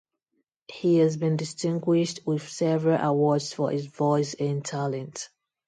He has been distinguished with several awards for his voice and talent.